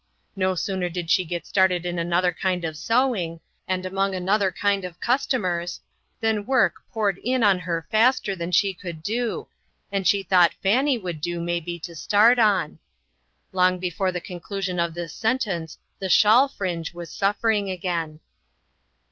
No sooner did she get started in another kind of sewing, and among another kind of customers, than work poured in on her faster than she could do, and she 56 INTERRUPTED. thought Fanny would do maybe to start on. Long before the conclusion of this sentence the shawl fringe was suffering again.